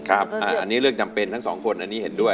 อันนี้เรื่องจำเป็นทั้งสองคนอันนี้เห็นด้วย